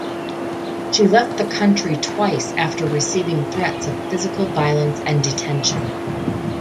She left the country twice after receiving threats of physical violence and detention.